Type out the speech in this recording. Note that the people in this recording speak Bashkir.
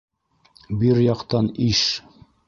Бирьяҡтан иш!